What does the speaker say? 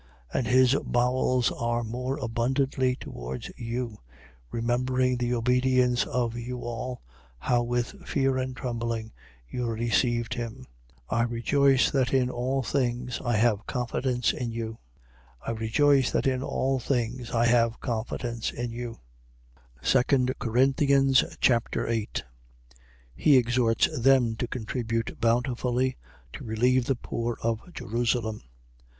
And his bowels are more abundantly towards you: remembering the obedience of you all, how with fear and trembling you received him. 7:16. I rejoice that in all things I have confidence in you. 2 Corinthians Chapter 8 He exhorts them to contribute bountifully to relieve the poor of Jerusalem.